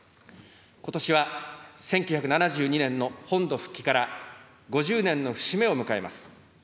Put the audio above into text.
ことしは１９７２年の本土復帰から５０年の節目を迎えます。